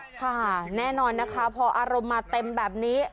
ค่ะแน่นอนนะคะพออารมณ์มาเต็มแบบนี้